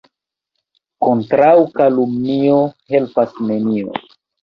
Kontraŭ kalumnio helpas nenio.